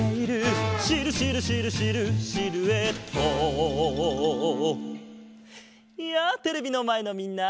「シルシルシルシルシルエット」やあテレビのまえのみんな！